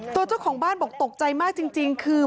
เจ้าของบ้านบอกตกใจมากจริงคือ